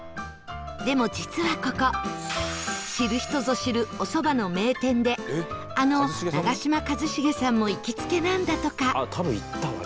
でも実はここ知る人ぞ知るお蕎麦の名店であの長嶋一茂さんも行きつけなんだとか